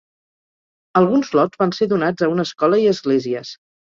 Alguns lots van ser donats a una escola i esglésies.